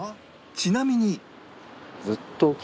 ちなみに